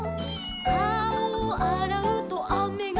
「かおをあらうとあめがふる」